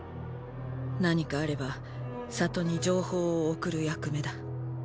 何かあれば里に情報を送る役目だ。